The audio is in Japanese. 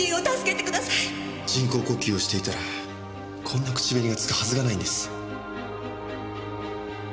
人工呼吸をしていたらこんな口紅が付くはずがないんです。